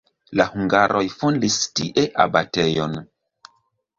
La hungaroj fondis tie abatejon.